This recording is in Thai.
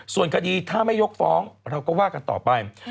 ส่วนคดีถ้าไม่ยกฟ้องเราก็ว่ากันต่อไป